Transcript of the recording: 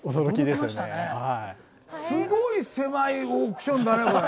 すごい狭いオークションだねこれ。